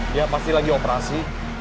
dia pasti lagi operasi